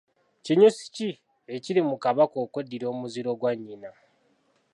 Kinyusi ki ekiri mu Kabaka okweddira omuziro gwa nnyina?